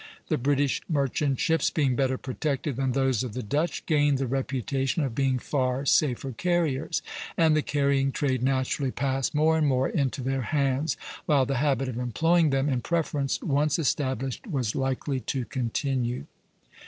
The British merchant ships, being better protected than those of the Dutch, gained the reputation of being far safer carriers, and the carrying trade naturally passed more and more into their hands; while the habit of employing them in preference, once established, was likely to continue.